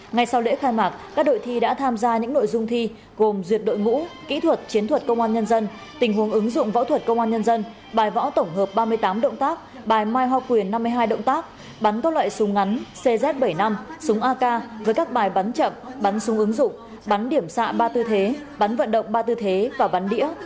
ngày sau lễ khai mạc các đội thi đã tham gia những nội dung thi gồm duyệt đội ngũ kỹ thuật chiến thuật công an nhân dân tình huống ứng dụng võ thuật công an nhân dân bài võ tổng hợp ba mươi tám động tác bài mai hoa quyền năm mươi hai động tác bắn các loại súng ngắn cz bảy mươi năm súng ak với các bài bắn chậm bắn súng ứng dụng bắn điểm xạ ba tư thế bắn vận động ba tư thế và bắn đĩa